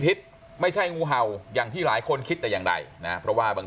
พิษไม่ใช่งูเห่าอย่างที่หลายคนคิดแต่อย่างใดนะเพราะว่าบาง